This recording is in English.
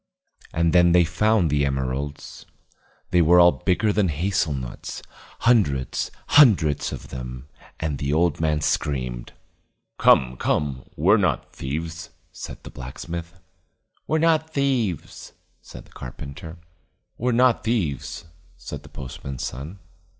And then they found the emeralds. They were all bigger than hazel nuts, hundreds and hundreds of them: and the old man screamed. "Come, come, we're not thieves," said the blacksmith. "We're not thieves," said the carpenter. "We're not thieves," said the postman's son.